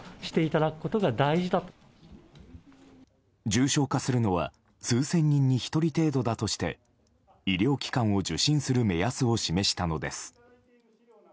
重症化するのは数千人に１人程度だとして医療機関を受診する目安を示したのです。